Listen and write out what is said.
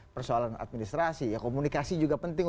persoalan administrasi ya komunikasi juga penting